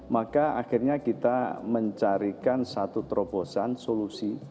maka akhirnya kita mencarikan satu terobosan solusi